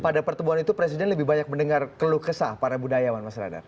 pada pertemuan itu presiden lebih banyak mendengar keluh kesah para budayawan mas radar